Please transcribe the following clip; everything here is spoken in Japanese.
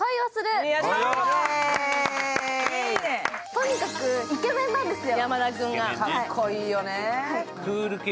とにかくイケメンなんですよ。